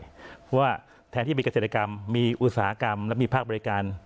เพราะว่าแทนที่มีเกษตรกรรมมีอุตสาหกรรมและมีภาคบริการ